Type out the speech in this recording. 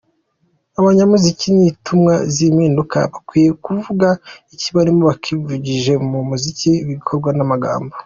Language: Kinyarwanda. Abanyamuziki ni intumwa z’impinduka; bakwiye kuvuga ikibarimo babinyujije mu muziki, ibikorwa n’amagambo.